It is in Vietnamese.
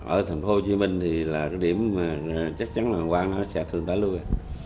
ở thành phố hồ chí minh thì là cái điểm mà chắc chắn là quang nó sẽ thương tái lưu